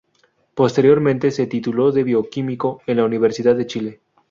Posteriormente se tituló de bioquímico en la Universidad de Chile.